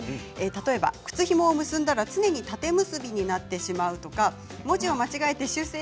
例えば、靴ひもを結んだら常に縦結びになってしまうとか文字を間違えて修正